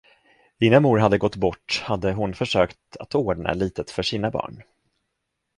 Innan mor hade gått bort hade hon försökt att ordna litet för sina barn.